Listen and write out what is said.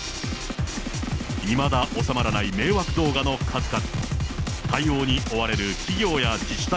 いまだ収まらない迷惑動画の数々。